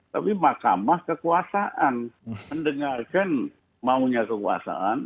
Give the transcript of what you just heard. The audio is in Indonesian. tapi mahkamah kekuasaan mendengarkan maunya kekuasaan